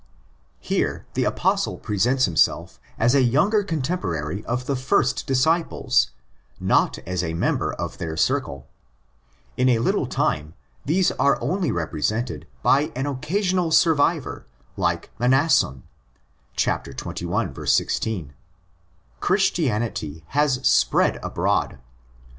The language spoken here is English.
Here the Apostle presents himself as a younger contemporary of the first disciples, not as a member of their circle. Ina little time these are only repre sented by an occasional survivor like Mnason (ἀρχαῖος μαθητής, xxi. 16). Christianity has spread abroad.